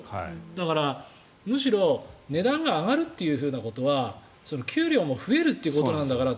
だからむしろ、値段が上がることは給料も増えるということなんだから。